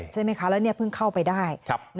ใช่ไหมคะแล้วเพิ่งเข้าไปได้